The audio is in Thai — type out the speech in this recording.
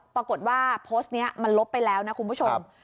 ปรากฏว่าโพสต์นี้มันลบไปแล้วนะคุณผู้ชม